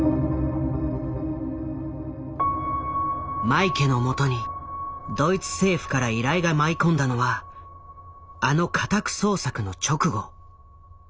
マイケのもとにドイツ政府から依頼が舞い込んだのはあの家宅捜索の直後。